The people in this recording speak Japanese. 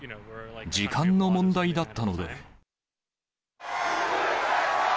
時間の問題だったので。